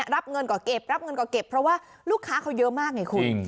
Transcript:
รับเงินก็เก็บรับเงินก็เก็บเพราะว่าลูกค้าเขาเยอะมากไงคุณ